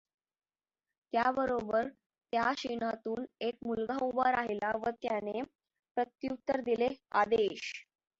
त्याबरोबर त्या शेणातून एक मुलगा उभा राहिला व त्याने प्रत्युत्तर दिले आदेश!